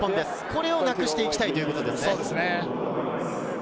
これをなくしていきたいということですよね。